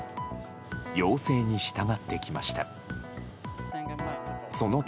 要請に従ってきました。